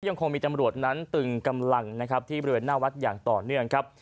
ยังคงมีตำรวจนั้นตึงกำลังนะครับที่บริเวณหน้าวัดอย่างต่อเนื่องครับ